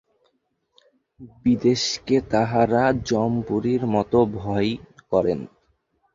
বিদেশকে তাঁহারা যমপুরীর মতো ভয় করেন।